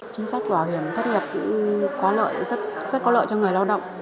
chính sách bảo hiểm thất nghiệp cũng rất có lợi cho người lao động